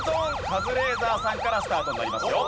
カズレーザーさんからスタートになりますよ。